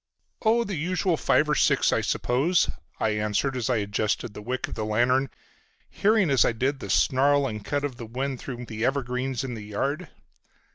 "Oh, the usual five or six I suppose," I answered as I adjusted the wick of my lantern, hearing as I did the snarl and cut of the wind through the evergreens in the yard.